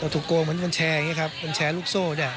ถูกโกงเหมือนกัญแชร์อย่างนี้ครับเป็นแชร์ลูกโซ่เนี่ย